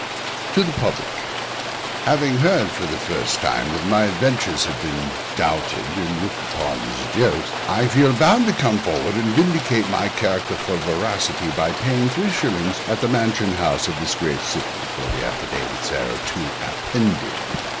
TO THE PUBLIC Having heard, for the first time, that my adventures have been doubted, and looked upon as jokes, I feel bound to come forward and vindicate my character for veracity, by paying three shillings at the Mansion House of this great city for the affidavits hereto appended.